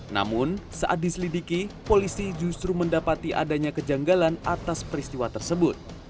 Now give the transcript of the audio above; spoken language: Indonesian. namun saat diselidiki polisi justru mendapati adanya kejanggalan atas peristiwa tersebut